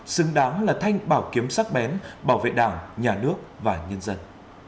xứng đáng là thanh bảo kiếm sắc bén bảo vệ đảng nhà nước và nhân dân